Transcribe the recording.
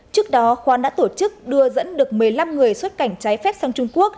trước đó khoan đã tổ chức đưa dẫn được một mươi năm người xuất cảnh trái phép sang trung quốc